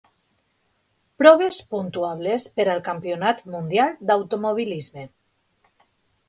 Proves puntuables per al campionat mundial d'automobilisme.